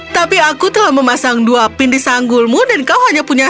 tapi aku telah memasang dua pin di sanggulmu dan kau hanya punya